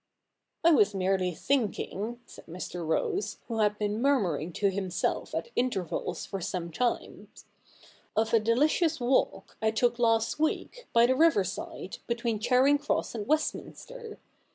'I was merely thinking,' said Mr. Rose, who had l)een 146 THE NEW REPUBLIC [r.i III murmuring to himself at intervals for some time, 'of a delicious walk I took last week, by the river side, between Charing Cross and Westminster.